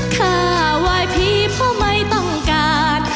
ถ้าไหว้พี่เพราะไม่ต้องการ